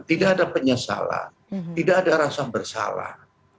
tidak ada penyesalan tidak ada rasa bersalah